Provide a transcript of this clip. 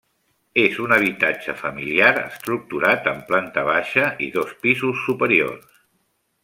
És un habitatge familiar estructurat en planta baixa i dos pisos superiors.